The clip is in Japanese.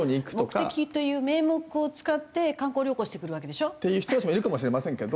目的という名目を使って観光旅行してくるわけでしょ？っていう人たちもいるかもしれませんけど。